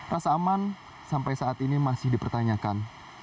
rasa aman sampai saat ini masih dipertanyakan